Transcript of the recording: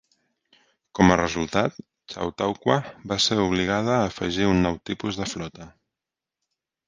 Com a resultat, Chautauqua va ser obligada a afegir un nou tipus de flota.